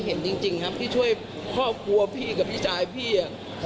เป็นห่วงทุกสิ่งทุกอย่างวันนี้ผมทายพี่จบซิ้นแล้วพี่เบิร์ต